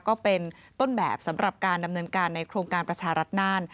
ก็เป็นต้นแบบสำหรับการดำเนินการในโครงการประชารัฐนาน